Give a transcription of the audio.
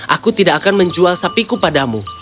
aku tidak akan menjual sapiku padamu